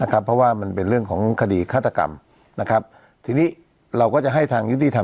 เพราะว่ามันเป็นเรื่องของคดีฆาตกรรมนะครับทีนี้เราก็จะให้ทางยุติธรรม